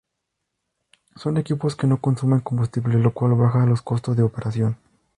Son equipos que no consumen combustible lo cual baja los costes de operación.